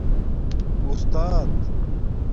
اُستات